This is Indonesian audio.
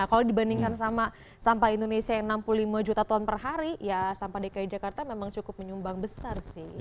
kalau dibandingkan sama sampah indonesia yang enam puluh lima juta ton per hari ya sampah dki jakarta memang cukup menyumbang besar sih